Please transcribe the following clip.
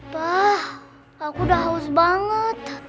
pak aku sudah haus banget